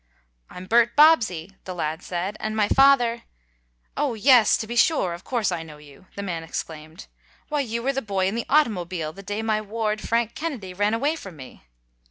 "I'm Bert Bobbsey," the lad said, "and my father " "Oh, yes, to be sure! Of course I know you!" the man exclaimed. "Why, you were the boy in the automobile the day my ward, Frank Kennedy, ran away from me."